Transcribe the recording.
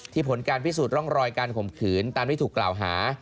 ผลการพิสูจน์ร่องรอยการข่มขืนตามที่ถูกกล่าวหา